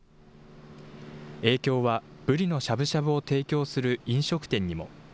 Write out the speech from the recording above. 影響はブリのしゃぶしゃぶを提供する飲食店にも。